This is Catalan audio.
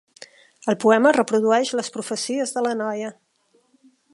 El poema reprodueix les profecies de la noia.